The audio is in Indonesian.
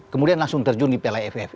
kemudian langsung terjun di piala aff